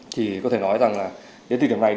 thì có thể nói rằng là đến thời điểm này